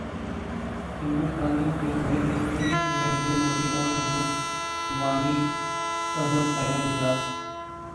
ہندوستانی جمہوریت نے بھی نریندر مودی اورہندوانہ تعصب پیدا کیا۔